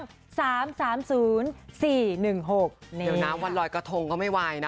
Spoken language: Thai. เดี๋ยวน้ำวันลอยกระทงก็ไม่ไหวนะ